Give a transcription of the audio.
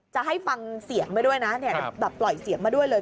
จะให้ฟังเสียงไปด้วยนะแบบปล่อยเสียงมาด้วยเลย